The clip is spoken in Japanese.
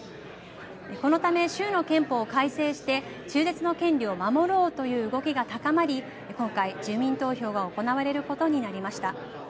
このため州の憲法を改正して中絶の権利を守ろうという動きが高まり、今回、住民投票が行われることになりました。